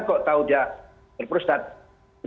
kok tahu dia berusaha